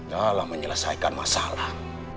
dalam menyelesaikan masalah